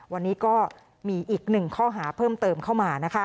วันนี้ก็มีอีกหนึ่งข้อหาเพิ่มเติมเข้ามา